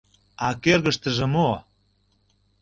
— А кӧргыштыжӧ мо?